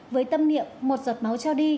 với tâm niệm một giọt máu cho đi